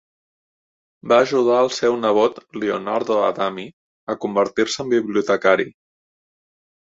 Va ajudar el seu nebot, Lionardo Adami, a convertir-se en bibliotecari.